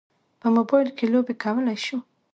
په موبایل کې لوبې کولی شو.